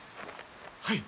はい。